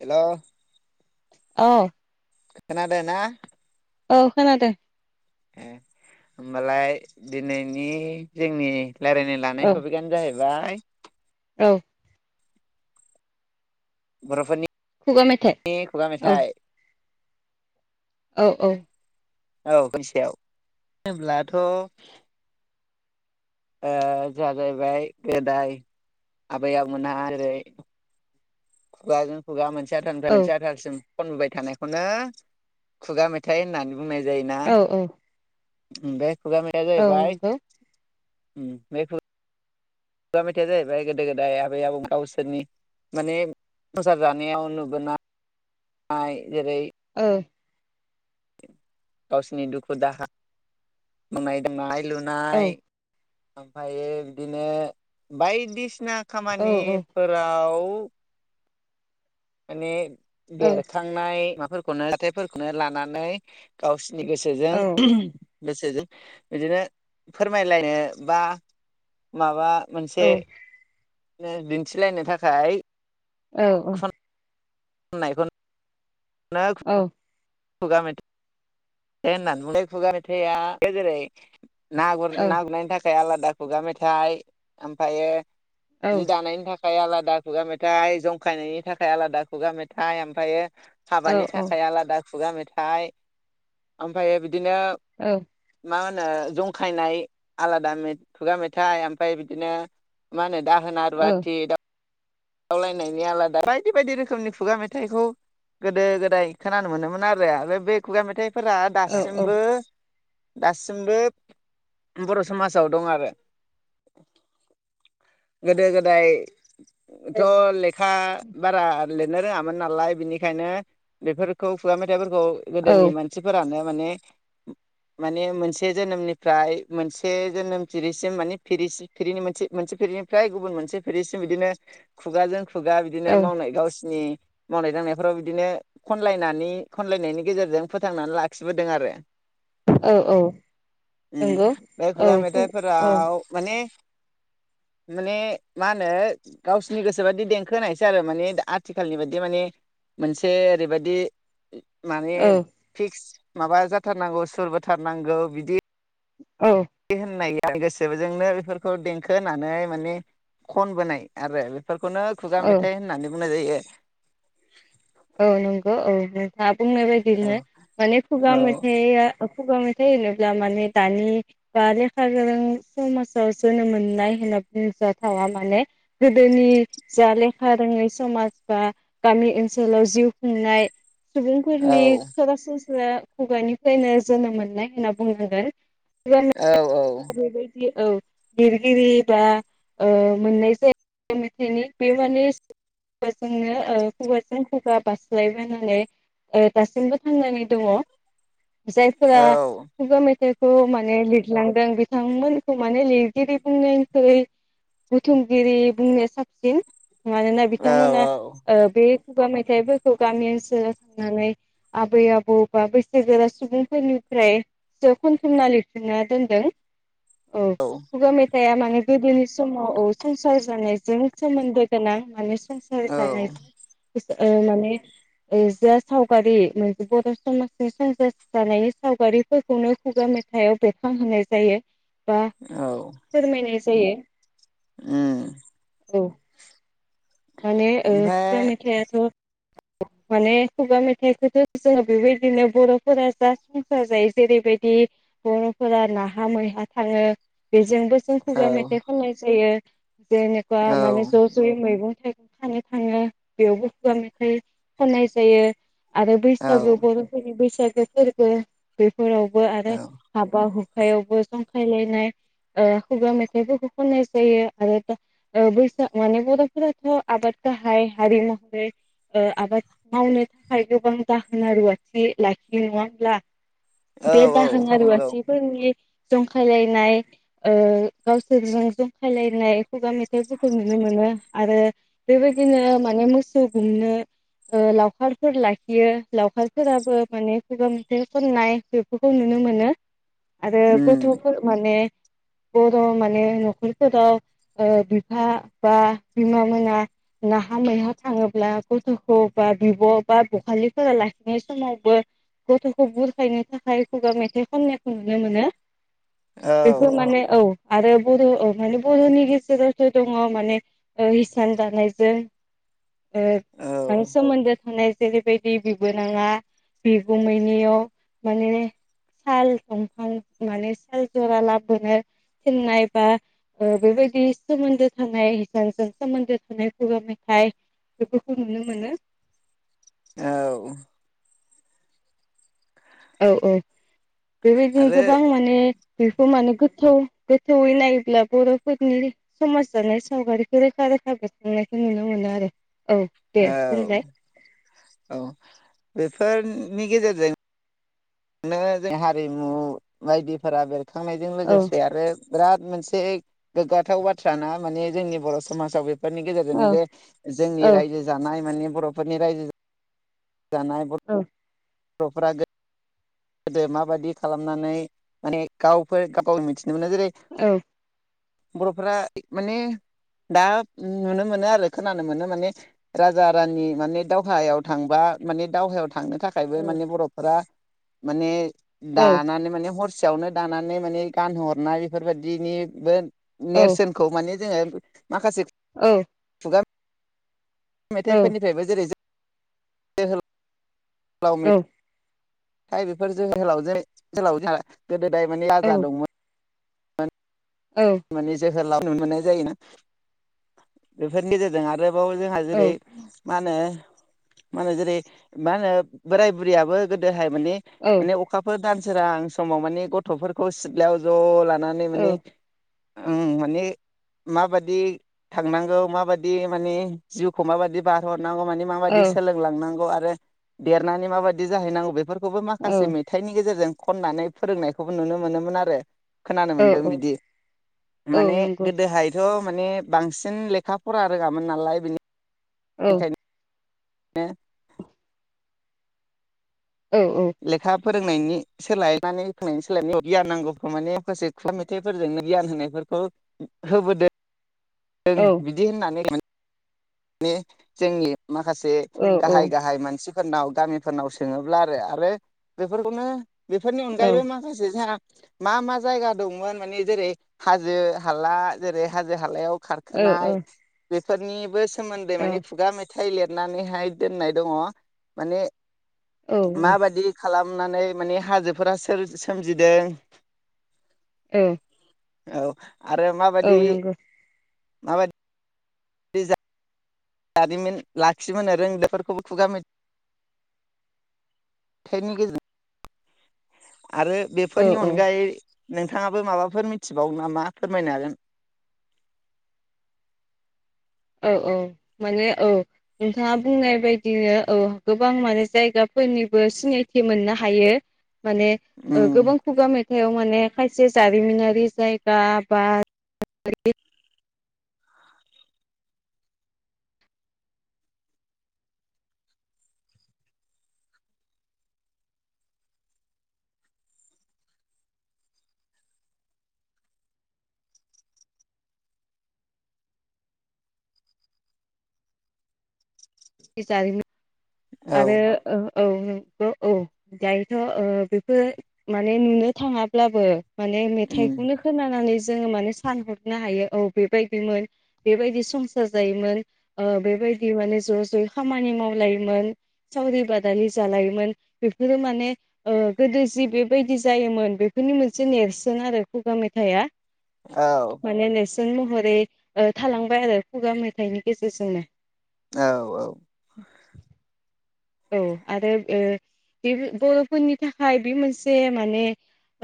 Hello अ खोनादोना? औ खोनादो । ए होमबालाय दिनैनि जोंनि रायलायनो औ लानाय टपिकआनो जाहैबाय औ बरफोरनि खुगा मेथाइ नि खुगा औ मेथाइ। औ औ । औ खोनसेयाव होमब्लाथ । ओ जागायबाय गोदाय आबै आबमोनहा जेरै दा जों खुगा मोनसे आथालनिफ्राय औ मोनसे आथालसिम खनबोय थानायखौनो खुगा मेथाइ होननानै बुंनाय जायोना? औ औ उम बे खुगा मेथाइया औ जाहैबाय नंगौ उम बे खुगा खुगा मेथाइया जाहैबाय गोदो गोदाय आबै आबौ गावसोरनि माने संसार जानायाव नुबोनाय जेरै औ गावसिनि दुखु दाहा मावनाय दांनाय औ लुनाय ओमफाय बिदिनो बायदिसि ना औ औ खामानिफोराव [inaudible] माने बेरखांनाय मा फोरखौनो जाथाइफोरखौनो लानानै गावसि नि औ गोसोजों गोसोजों बिदिनो फोरमायलायनो बा माबा मोनसे दिन्थिलायनो थाखाय औ औ नायफोरखौ नो खुगा मेथाइ होननानै बुं खुगा मेथाइआ जेरै ना गुर ना औ गुरनायनि थाखाय आलादा दा खुगा मेथाइ ओमफायो औ जि दानायनि थाखाय आलादा खुगा मेथाइ जंखायनायनि थाखाय आलादा खुगा मेथाइ ओमफायो औ औ नंगौ औ हाबानि औ थाखाय आलादा खुगा मेथा थाइ ओफायो‌ बिद‌ दिनो मा होनो नो जंखायनाय आलादा खुगा मेथाइ ओफाय बिदिनो मा होनो दाहोना रुवाथि दा खावलायनायनि आलादा बायदि बायदि रोखोमनि खुगा मेथाइखौ गोदो गोदाय खोनानो मोनोमोन आरो बे खुगा मेथाइ फोरा दासिमबो दासिमबो बर समाजाव दं आरो गोदो गोदाय थ लेखा बारा लिरनो रोङामोन नालाय बिनिखायनो बेफोरखौ खुवा मेथाइफोर खौ गोदोनि मानसिफोरानो माने माने मोनसे जोनोमनिफ्राय मोनसे जोनोमथिरिसिम माने मोनसे फिरिनिफ्राय गुबुन मोनसे फिरिसिम बिदिनो खुगाजों खुगा बिदिनो मावनाय गावसिनि मावनाय दांनायफ्राव बिदिनो खनलायनानै खनलायनायनि गेजेरजों फोथांनानै लाखिबोदों आरो इ बे खुगा मेथाइफोराव माने माने मा होनो गावसिनि गोसोबायदि देंखो होनायसो आरो माने आथिखालनि बायदि माने मोनसे ओरैबायदि माने फिक्स माबा जाथारनांगौ सुरबोथारनांगौ बिदि औ बे होननाय गोसोजोंनो बेफोरखौ देंखो होनानै माने खनबोनाय आरो फोरखौनो खुगा औ औ मेथाइ होननानै बुंनाय जायो [inaudible] औ नंगौ औ नोंथाङा बुंनाय औ बायदिनो माने खुगा मेथाइआ खुगा मेथाइ होनोब्ला माने दानि बा लेखा गोरों समाजाव जोनोम मोननाय होनना बुंजाथावा माने गोदोनि जा लेखा रोङै समाज बा गामि ओनोसोल ओनसोलाव जिउ खुंनाय सुबुंफोरनि औ सरासनस्रा बिखो खुगानिफ्रायनो जोनोम मोननाय होनना बुंगोरगोन औ औ औ लिरगिरि बा ओ मोननाय जाया मेथाइनि बे माने जोंनो खुगा खुगा बारास्लायबानै ओ दासिमबो थांनानै दङ जायफोरा औ खुगा मे बिखौ माने लिरलांदों बिथांमोनखौ माने लिरगिरि बुंनायनिखुरै बुथुमगिरि बुंनाया साबसिन मानोना बिथांमोना औ औ ओ बे खुगा मेथाइफोरखौ गामि ओनसोल नानै आबै आबौ बा बैसोगोरा सुबुंफोरनिफ्रायसो खनथुमना लिरथुमना दोनदों औ औ खुगा मेथ थाइया माने गोदोनि समाव ओ संसार जानायजों सोमोन्दो गोनां माने स संसार जानाय ओ माने ओ जा सावगारि बर समाजनि संसार जानायनि सावगारिफोरखौनो खुगा मेथाइआव बेरखांहोनाय जायो। बा फोरमायनाय जायो। ओम। औ। माने ओ खुगा ओमफ्राय मेथाइआथ माने खुगा मेथाइखौथ जोङो बेबायदिनो बरफोरा जा संसार जायो जेरैबायदि बरफोरा नाहा मैहा थाङो बे जोंबो जों औ खुगा मेथाइ खननाय जायो। जेनेका औ माने ज जयै मैगं मैगं खानो थाङो बेयावबो खुगा मेथाइ खननाय जायो। आरो औ बैसागु बरफोरनि बैसागु [inaudible] फोरावबो आरो औ हाबा हु हुखायावबो जंखायलायनाय ओ खुगा मेथाइफोरखौ खननाय जायो आरो ओ बैसाग माने बर फोराथ आबाद गाहाय हारि महरै ओ आबाद मावनो थाखाय गोबां दाहोना रुवाथि लाखियो नङा होमब्ला? औ बेे औ दाहोना नंगौ रुवाथिफोरनि जंखायलायनाय ओ गावसोरजों जंखायलायनाय खुगा मेथाइफोरखौ नुनो मोनो। आरो बेबायदिनो माने मोसौ गुमनो ओ लावखारफोर लाखियो लावखारफोराबो माने खुगा मेथाइ खननाय बेफोरखौ नुनो मोनो। आरो उम गथफोर माने बर' माने नखरफोराव ओ बिफा बा बिमा मोना नाहा मैहा थाङोब्ला गथखौ बा बिब, बा बखाालिफोरा लाखिनाय समावबो गथखौ बुरखायनो थाखाय खुगा मेथाइ खननायखौ नुनो मोनो। औ बेखौ माने औ । आरो बर' माने बर'नि गेजेरावसो दङ माने ओ हिसान दानायजों औ ओ सोमोन्दो थानाय। जेरैबायदि बिबोनाङा बिगुमैनियाव माने साल दंफां माने साल जरा लाबोनो थिननाय बा ओ बेबायदि सोमोन्दो थानाय। हिसानजों सोमोन्दो थानाय खुगा मेथाइ बेफोरखौ नुनो मोनो। औ। औ औ। बेबायदिनो आरो गोबां माने बेखौ माने गोथौ, गोथौयै नायोब्ला बर'फोरनि समाज जानाय सावगारिखौ रोखा रोखा बेरखांनायखो नुनो मोनो आरो। औ दे बुंलाय औ औ बे। फोरनि गेजेरजों बिदिनो जों हारिमु बायदिफोरा बेर थांनायजों औ लोगोसे आरो बिराद मोनसे गोग्गाथाव बाथ्राना माने जोंनि बर' समाजाव बे बेफोरनि औ गेजेरजोंनो जे जोंनि रायजो जानाय माने बर'फोरनि रायजो जानाय बर' औ बर'फोरा गोदो माबायदि खालामनानै माने गावफोर गाव मिथि मोनो जेरै बर'फोरा माने दा नुनो मोनो आरो खोनानो मोनो माने राजा रानि माने दावहायाव थांबा माने दावहायाव थांनो थाखायबो औ माने बर'फोरा माने औ दानानै माने हरस सेयावनो दानानै माने गानहोहरनाय बेफोरबादिनिबो औ नेरसोनखौ माने जोङो माखासे औ। [unintelligible] मेथाइफोरनिफ्रायबो जेरै जों [unintelligible] आव मेथा थाइ बेफोर जोहोलावजो जोहोलावजा गोदो गोदाय माने राजा दंमोन। माने जो होलाव नुनो मोननाय जायोना। बेफोरनि गेजेरजों आरो औ जोंहा जेरै मा होनो, मा होनो जेरै, मा होनो बोराय बुरियाबो गोदोहाय माने माने अखाफोर दान सोरां समाव माने गथ'फोरखौ सिथ्लायाव ज' ला नानै माने ओं माने माबायदि थांनांगौ माबायदि माने जिउखौ माबायदि बारहोहर नांगौ माने औ माबायदि सोलोंलांनांगौ आरो [unintelligible] देरनानै माबायदि जाहैनांगौ बेफोर खौबो औ माखासे मेथाइनि गेजेरजों खननानै फोरोंनायखौबो नुनो मोनोमोन आरो। खोनानो औ मोन्दों बिदि माने नंगौ गोदोहाय थ माने बांसिन लेखा फरा रोङामोन नालाय बिनि औ नो औ औ लेखा फोरोंनायनि सोलाय माने नायनि सोलायनाय गियान नांगौखौ माने माखासे खुगा मेथाइफोरजोंनो गियान होनायफोरखौ होबोदों जों बिदि होननानै ने जोंनि माखासे औ औ गाहाइ गाहाइ मानसि फोरनाव गामिफोरनाव सोङोब्ला आरो आरो बेफोरखौनो बेफोरनि अनगायैबो माखासे जोंहा मा मा जायगा दंमोन माने जेरै हाजो हाला जेरै हाजो हालायाव खारखोनाय औ औ बे फोरनिबो सोमोन्दै माने खुगा मे थाइ लिरनानैहाय दोननाय दङ माने नंगौ माबादि खालामनानै माने हाजोफोरा सोमजिदों ए औ आरो माबादि माबाय जारिमिन लाखिबोनो रों बेफोरखौबो खुगा मि थाइनि गेजेरजों आरो औ बेफोरनि अनगायै नोंथाङाबो माबाफोर मिथिबाव नामा फोरमायनो हागोन औ औ माने औ नोंथाङा बुंनाय बायदिनो औ गोबां माने जायगाफोरनिबो सिनायथि मोननो हायो । माने उम गोबां खुगा मेथाइआव माने माखायसे जारिमिनारि जायगा बा जारिमिन औ आरो औ औ औ औ औ दायोथ ओ बेफोरथ माने नुनो थाङाब्लाबो माने उम मेथाइखौनो खोनानानै जोङो माने सानहरनो हायो औ बेबायदिमोन बेबायदि संसार जायोमोन बेबायदि माने ज' जयै खामानि मावलायोमोन सावरि बादालि जालायोमोन बेफोरो माने ओ गोदो जि बेबायदि जायोमोन बेफोरनि मोनसे नेरसोन आरो खुगा मेथाइआ औ माने नेर सोन महरै थालांबाय आरो खुगा मेथाइनि गेजेरजोंनो । औ औ। औ आरो ओ बे बर'फोरनि थाखाय बे मोनसे माने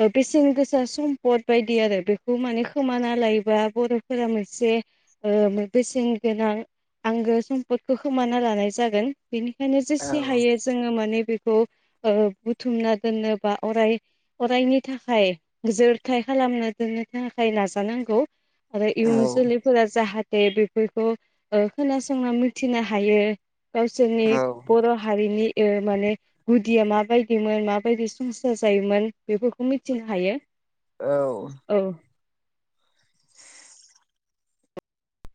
ओ बेसेन गोसा सम्पद बायदि आरो बेखौ माने खोमाना लायोबा बर'फोरा मोनसे ओ बेसेनगोनां आंगो सम्पदखौ खोमाना लानाय जागोन । बेनिखायनो जेसे हायो जोङो माने बे खौ ओ बुथुमना दोननो बा अराय अरायनि थाखाय जोरथाय खालामना दोननो थाखाय नाजानांगौ आरो औ इयुन जोलैफोरा जाहा थे बेफोरखौ खोनासंना मिथिनो हायो । गावसोरनि औ बर' हारिनि ओ माने गुदिया माबायदिमोन माबायदि संसार जायोमोन बेफोरखौ मिथिनो हायो औ औ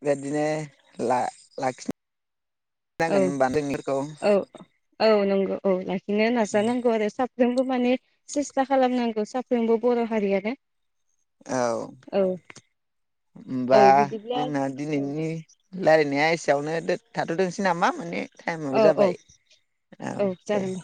बेबादिनो ला-लाखिनो औ नांगोन [unintelligible] औ औ नंगौ औ ला नो नाजा नांगौ आरो साफ जोंबो माने सेस्था खालामनांगौ साफ्रोमबो बर' हारियानो औ औ [inaudible] औ होनबा बिदिब्ला जोंना औ दिनैनि रायलायनाया एसेयावनो दो-थाथ'थोंसै नामा माने टाइमाबो औ औ जाबाय औ दे। [inaudible]